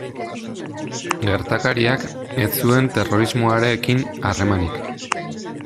Gertakariak ez zuen terrorismoarekin harremanik.